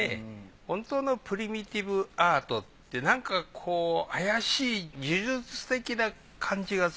本当のプリミティブアートってなんかこう怪しい呪術的な感じがする。